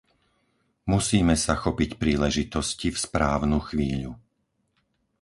Musíme sa chopiť príležitosti v správnu chvíľu.